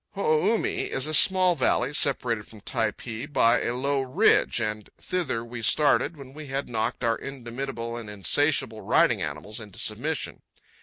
Ho o u mi is a small valley, separated from Typee by a low ridge, and thither we started when we had knocked our indomitable and insatiable riding animals into submission.